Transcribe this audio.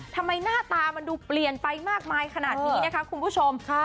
หน้าตามันดูเปลี่ยนไปมากมายขนาดนี้นะคะคุณผู้ชม